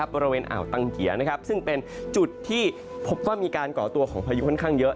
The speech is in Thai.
บริเวณอ่าวตังเกียร์ซึ่งเป็นจุดที่พบว่ามีการก่อตัวของพายุค่อนข้างเยอะ